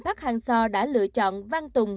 park hang seo đã lựa chọn văn tùng